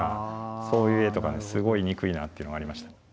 そういう絵とかすごい憎いなっていうのがありましたね。